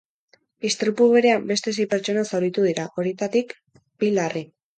Istripu berean beste sei pertsona zauritu dira, horietako bi larri.